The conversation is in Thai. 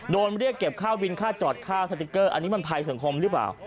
เรียกเก็บค่าวินค่าจอดค่าสติ๊กเกอร์อันนี้มันภัยสังคมหรือเปล่า